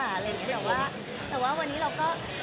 แต่ว่าแต่ว่าวันนี้เราก็